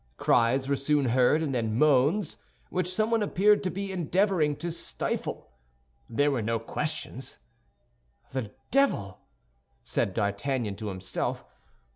Cries were soon heard, and then moans, which someone appeared to be endeavoring to stifle. There were no questions. "The devil!" said D'Artagnan to himself.